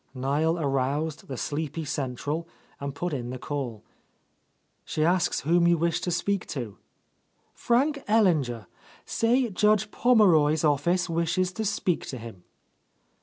Niel aroused the sleepy central and put in the call. "She asks whom you wish to speak to?" "Frank Ellinger. Say Judge Pommeroy's of fice wishes to speak to him."